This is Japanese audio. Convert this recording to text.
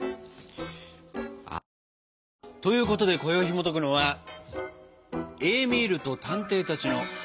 あということでこよいひもとくのは「エーミールと探偵たち」のさくらんぼケーキ。